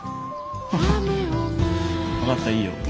ハハ分かったいいよ。